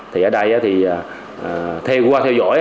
thì ở đây thì theo dõi